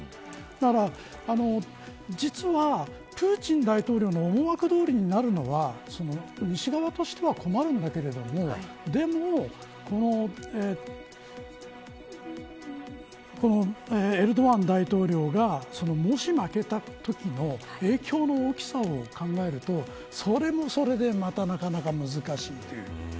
だから実は、プーチン大統領の思惑どおりになるのは西側としては困るんだけれどもでもエルドアン大統領がもし負けた場合の影響の大きさを考えるとそれもそれでまたなかなか難しい。